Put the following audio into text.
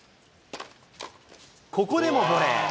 ここでもボレー。